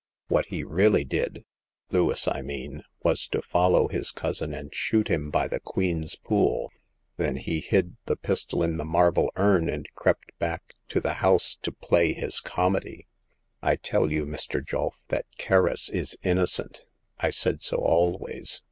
What he really did— ^ Lewis, I mean— was to follow his cousin, and shoot him by the Queen's Pool ; then he hid the pistol in the marble urn, and crept back to the house to play his comedy. I tell you, Mr. Julf that Kerris is innocent. I said so always.